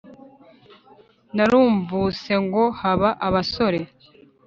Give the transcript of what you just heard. narumvuse ngo haba abasore